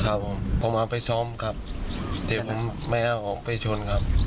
ครับผมผมเอาไปซ้อมครับแต่ผมไม่เอาออกไปชนครับ